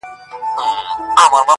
دا داسي سوى وي_